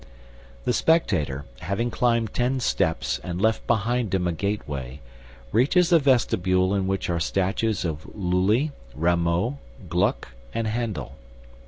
"The spectator, having climbed ten steps and left behind him a gateway, reaches a vestibule in which are statues of Lully, Rameau, Gluck, and Handel.